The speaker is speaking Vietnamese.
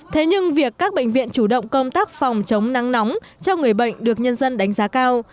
thế nhưng việc các bệnh viện chủ động công tác phòng chống nắng nóng cho người bệnh được nhân dân đánh giá cao